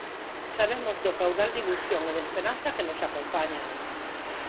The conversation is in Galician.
Sabemos do caudal de ilusión e de esperanza que nos acompañan.